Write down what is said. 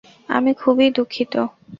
আমি খুবই দুঃখিত!